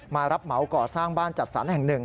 มารับเหมาก่อสร้างบ้านจัดสรรแห่งหนึ่ง